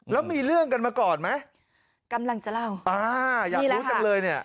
แล้วมีเรื่องกันมาก่อนไหมกำลังจะเล่าอ่าอยากรู้จังเลยเนี่ย